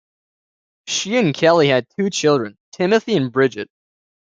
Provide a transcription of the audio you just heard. She and Kelly had two children, Timothy and Bridget.